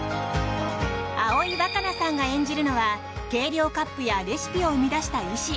葵わかなさんが演じるのは計量カップやレシピを生み出した医師。